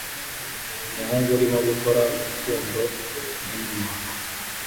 Umuhungu urimo gukora urukundo ninuma